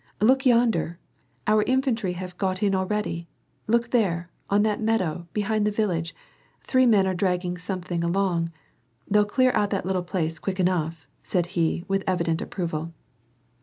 "Look yonder, our infantry have got in already. Look there, on that meadow, behind the village, three men are dragging something along. They'll clear out that little place, quick enough !" said he, with evident approval.